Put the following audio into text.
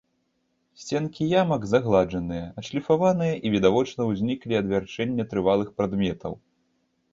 Сценкі ямак загладжаныя, адшліфаваныя і, відавочна, узніклі ад вярчэння трывалых прадметаў.